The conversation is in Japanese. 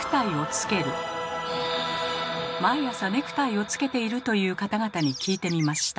毎朝ネクタイをつけているという方々に聞いてみました。